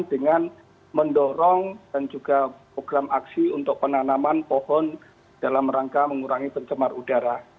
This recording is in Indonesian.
dengan mendorong dan juga program aksi untuk penanaman pohon dalam rangka mengurangi pencemar udara